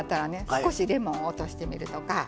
少しレモンを落としてみるとか。